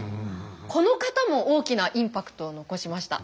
この方も大きなインパクトを残しました。